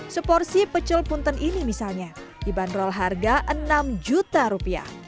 seporsi pecel punten ini misalnya dibanderol harga enam juta rupiah